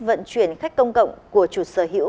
vận chuyển khách công cộng của chủ sở hữu